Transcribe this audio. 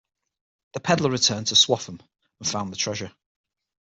The pedlar returned to Swaffham, and found the treasure.